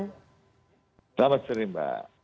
selamat sore mbak